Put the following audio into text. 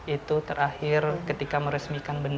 itu terakhir ketika meresmikan